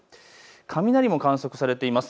雷も観測されています。